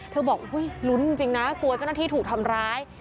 บอกลุ้นจริงนะกลัวเจ้าหน้าที่ถูกทำร้าย